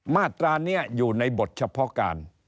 มาตรานี้อยู่ในบทเฉพาะการ